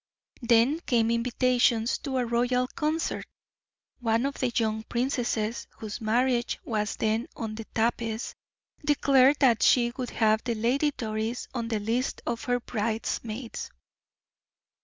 Then came invitations to a royal concert. One of the young princesses, whose marriage was then on the tapis, declared that she would have the Lady Doris on the list of her bridesmaids.